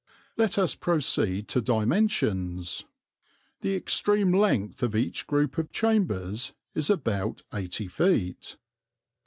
Let us proceed to dimensions. The extreme length of each group of chambers is about 80 ft.